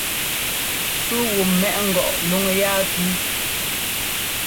Súu wu mɛʼ ngɔʼ luŋ yaa píi.